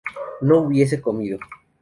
no hubiste comido